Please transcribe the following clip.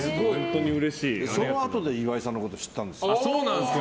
そのあとで岩井さんのこと知ったんです。